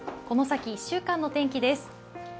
この先１週間の天気です。